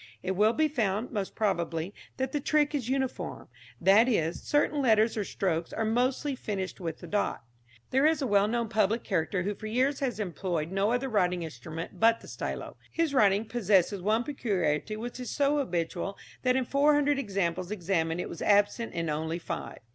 It will be found, most probably, that the trick is uniform; that is, certain letters or strokes are mostly finished with the dot. There is a well known public character who for years has employed no other writing instrument but the stylo. His writing possesses one peculiarity which is so habitual that in four hundred examples examined it was absent in only five.